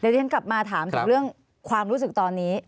ฉันกลับมาถามถึงเรื่องความรู้สึกตอนนี้